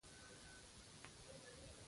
د خټکي خوړل د تودوخې اغېزې کموي.